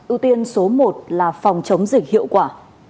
ưu tiên số một là phòng chống dịch hiệu quả